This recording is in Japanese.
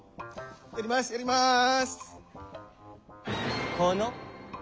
やりますやります。